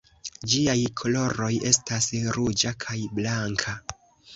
Ĝiaj koloroj estas ruĝa kaj blanka.